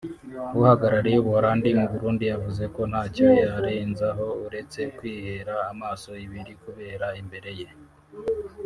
Uhagarariye u Buholandi mu Burundi yavuze ko ntacyo yarenzaho uretse kwihera amaso ibiri kubera imbere ye